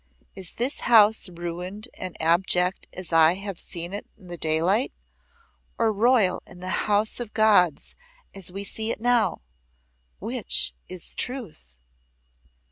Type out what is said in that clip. Is this house ruined and abject as I have seen it in the daylight, or royal and the house of Gods as we see it now? Which is truth?"